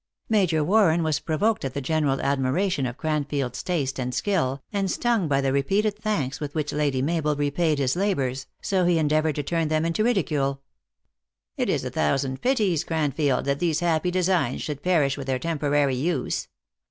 Major Warren was provoked at the general admir ation of Cranfield s taste and skill, and stung by the repeated thanks witli which Lady Mabel repaid his labors, so he endeavored to turn them into ridicule. THE ACTRESS IN HIGH LIFE. 29 " It is a thousand pities, Cranfield, that these happy designs should perish with their temporary use.